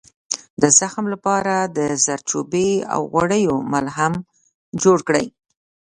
د زخم لپاره د زردچوبې او غوړیو ملهم جوړ کړئ